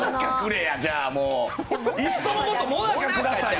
いっそのこと、もなかくださいよ。